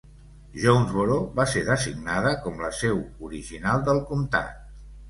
Jonesboro va ser designada com la seu original del comtat.